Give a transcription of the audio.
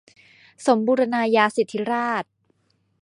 สมบูรณาญาสิทธิราชย์